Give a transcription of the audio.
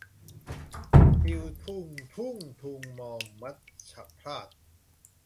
ทิวทุ้งทุ่งทุงมอง มัจฉพราศ